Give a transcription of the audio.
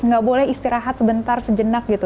nggak boleh istirahat sebentar sejenak gitu